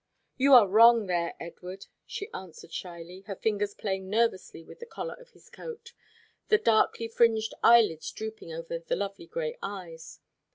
"You are wrong there, Edward," she answered shyly, her fingers playing nervously with the collar of his coat, the darkly fringed eyelids drooping over the lovely gray eyes.